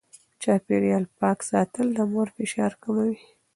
چاپېريال پاک ساتل د مور فشار کموي.